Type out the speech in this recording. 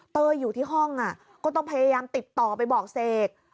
อยู่ที่ห้องก็ต้องพยายามติดต่อไปบอกเสก